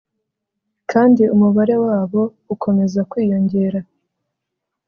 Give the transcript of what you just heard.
kandi umubare wabo ukomeza kwiyongera